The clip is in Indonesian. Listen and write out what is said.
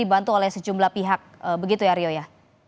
dibantu oleh sejumlah pihak begitu ya rio ya